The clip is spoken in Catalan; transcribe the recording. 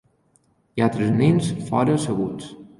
Hi ha tres nens fora asseguts.